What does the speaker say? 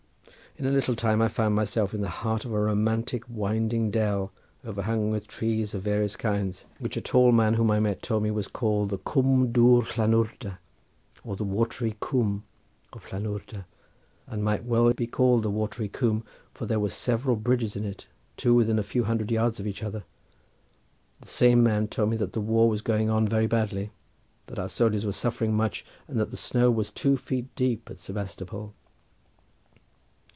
In a little time I found myself in the heart of a romantic winding dell overhung with trees of various kinds, which a tall man whom I met told me was called Cwm Dwr Llanwrda, or the Watery Coom of Llanwrda; and well might it be called the Watery Coom, for there were several bridges in it, two within a few hundred yards of each other. The same man told me that the war was going on very badly, that our soldiers were suffering much, and that the snow was two feet deep at Sebastopol.